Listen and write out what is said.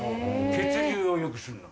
血流をよくするの。